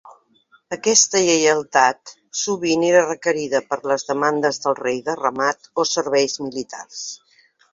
Aquesta lleialtat sovint era requerida per les demandes del rei de ramat o serveis militars.